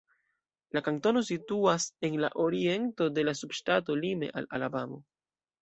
La kantono situas en la oriento de la subŝtato, lime al Alabamo.